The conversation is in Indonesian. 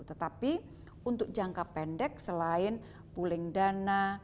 tetapi untuk jangka pendek selain pooling dana